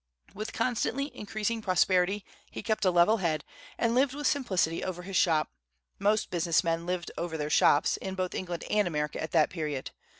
With constantly increasing prosperity, he kept a level head, and lived with simplicity over his shop, most business men lived over their shops, in both England and America at that period.